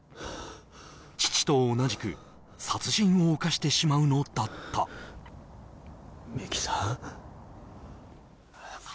父と同じく殺人を犯してしまうのだった三木さん